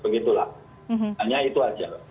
hanya itu saja